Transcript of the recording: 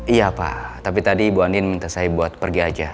iya pak tapi tadi ibu andin minta saya buat pergi aja